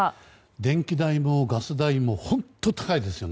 電気代もガス代も本当に高いですね。